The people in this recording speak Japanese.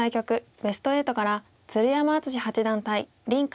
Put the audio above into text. ベスト８から鶴山淳志八段対林漢